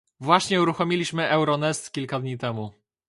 właśnie uruchomiliśmy Euronest kilka dni temu